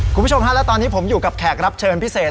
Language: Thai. คุณผู้ชมฮะและตอนนี้ผมอยู่กับแขกรับเชิญพิเศษ